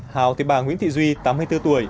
hào thì bà nguyễn thị duy tám mươi bốn tuổi